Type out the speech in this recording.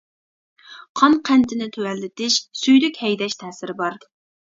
قان قەنتىنى تۆۋەنلىتىش، سۈيدۈك ھەيدەش تەسىرى بار.